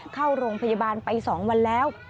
เข้าโรงพยาบาลไป๒วันแล้ว